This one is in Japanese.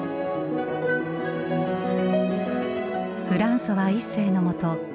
フランソワ一世のもと